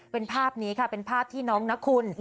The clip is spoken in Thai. เป็นภาพนี้ค่ะเป็นภาพที่น้องนะคุณ